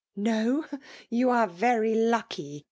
— No? — You are very lucky